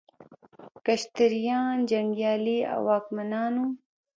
کشتریان جنګیالي او واکمنان وو.